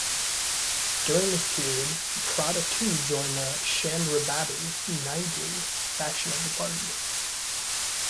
During this period, Prada too joined the Chandrababu Naidu faction of the party.